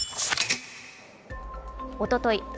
おととい